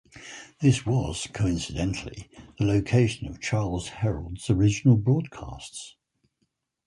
This was, coincidentally, the location of Charles Herrold's original broadcasts.